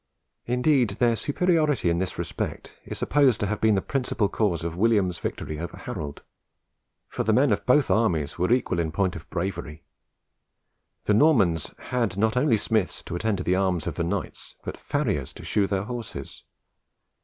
Indeed, their superiority in this respect is supposed to have been the principal cause of William's victory over Harold; for the men of both armies were equal in point of bravery. The Normans had not only smiths to attend to the arms of the knights, but farriers to shoe their horses.